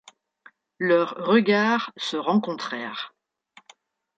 Leurs regards se rencontrèrent.